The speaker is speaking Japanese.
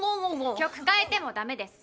曲変えてもダメです。